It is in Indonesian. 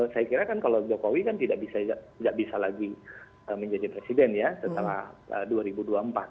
saya kira kan kalau jokowi kan tidak bisa lagi menjadi presiden ya setelah dua ribu dua puluh empat